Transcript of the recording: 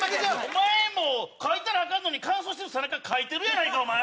お前もかいたらアカンのに乾燥してる背中かいてるやないかお前！